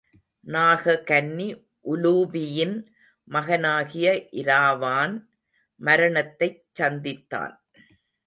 நாககன்னி உலூபியின் மகனாகிய இராவான் மரணத் தைச் சந்தித்தான்.